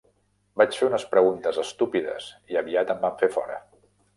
Vaig fer unes preguntes estúpides i aviat em van fer fora.